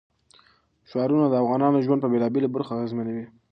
ښارونه د افغانانو ژوند په بېلابېلو برخو اغېزمنوي.